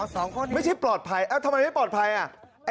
สองคนไม่ใช่ปลอดภัยเอ้าทำไมไม่ปลอดภัยอ่ะ